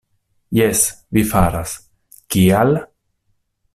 Jes, vi faras; kial?